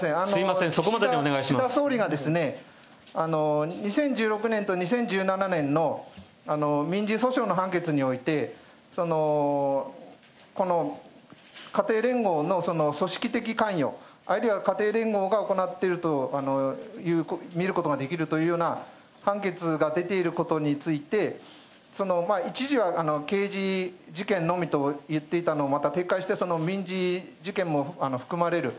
岸田総理が、２０１６年と２０１７年の民事訴訟の判決において、この家庭連合の組織的関与、あるいは家庭連合が行っていると見ることができるというような判決が出ていることについて、一時は刑事事件のみと言っていたのをまた撤回して、民事事件も含まれる。